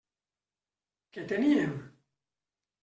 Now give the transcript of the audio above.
Què teníem?